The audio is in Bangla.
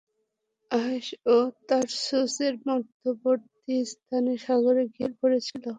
আয়াস ও তারসূস-এর মধ্যবর্তী স্থানে সাগরে গিয়ে পড়েছে।